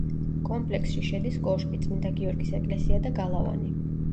კომპლექსში შედის კოშკი, წმინდა გიორგის ეკლესია და გალავანი.